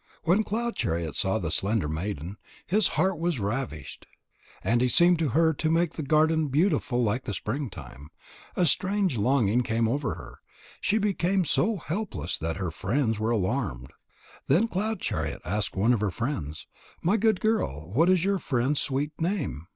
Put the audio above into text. When Cloud chariot saw the slender maiden, his heart was ravished. And he seemed to her to make the garden beautiful like the spring time. A strange longing came over her. She became so helpless that her friends were alarmed. Then Cloud chariot asked one of her friends: "My good girl, what is your friend's sweet name?